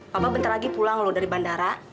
bapak bentar lagi pulang loh dari bandara